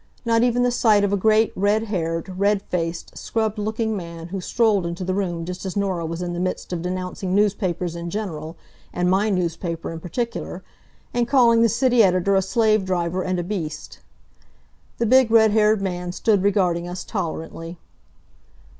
Not even the sight of a great, red haired, red faced, scrubbed looking man who strolled into the room just as Norah was in the midst of denouncing newspapers in general, and my newspaper in particular, and calling the city editor a slave driver and a beast. The big, red haired man stood regarding us tolerantly.